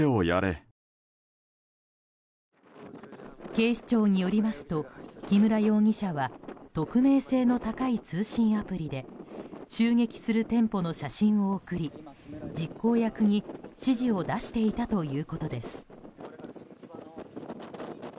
警視庁によりますと木村容疑者は匿名性の高い通信アプリで襲撃する店舗の写真を送り実行役に指示を出していたということです。